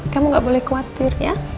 kamu gak boleh khawatir ya